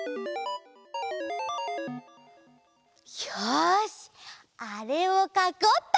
よしあれをかこうっと！